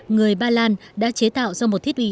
người ba lan đã chế tạo ra một thiết bị